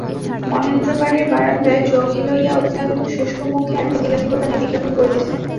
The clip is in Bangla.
মহেন্দ্র বাড়ির বারান্দায় চৌকি লইয়া অত্যন্ত শুষ্কমুখে একটা বিলাতি দোকানের বিজ্ঞাপন পড়িতেছে।